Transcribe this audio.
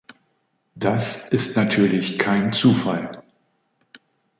Das ist natürlich kein Zufall.